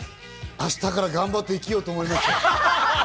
明日から頑張って生きようと思います。